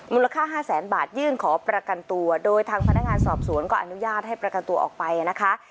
มูลค่า๕แสนบาทยื่นขอประกันตัวโดยทางพนักงานสอบสวนก็อนุญาตให้ประกันตัวออกไปนะคะ